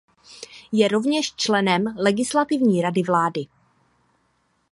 Je rovněž členem Legislativní rady vlády.